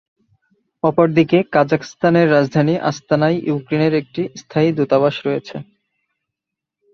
অপরদিকে, কাজাখস্তানের রাজধানী আস্তানায়, ইউক্রেনের একটি স্থায়ী দূতাবাস রয়েছে।